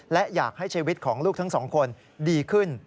และอยากให้ชีวิตของลูกทั้งสองคนดีขึ้น